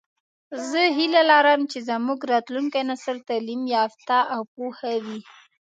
زه هیله لرم چې زمونږ راتلونکی نسل تعلیم یافته او پوهه وي